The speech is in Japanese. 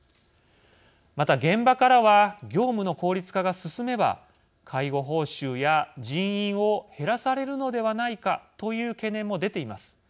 また現場からは業務の効率化が進めば介護報酬や人員を減らされるのではないかという懸念も出ています。